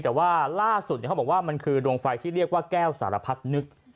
แต่ว่าล่าสุดเขาบอกว่ามันคือดวงไฟที่เรียกว่าแก้วสารพัดนึก